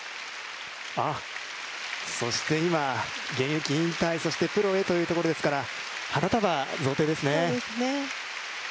ああ、そして今、現役引退、そしてプロへということですから花束、贈呈ですね。